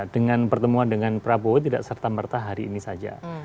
dengan pertemuan dengan prabowo tidak serta merta hari ini saja